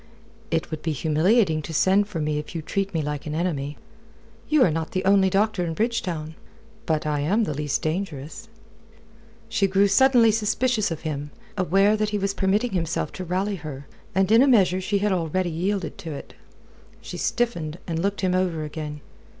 "It would be humiliating to send for me if you treat me like an enemy." "You are not the only doctor in Bridgetown." "But I am the least dangerous." She grew suddenly suspicious of him, aware that he was permitting himself to rally her, and in a measure she had already yielded to it. She stiffened, and looked him over again.